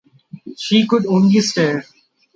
She could only stare.